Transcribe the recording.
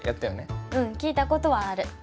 うん聞いたことはある。